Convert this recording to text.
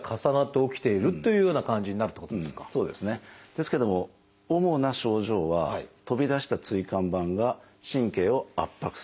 ですけども主な症状は飛び出した椎間板が神経を圧迫する。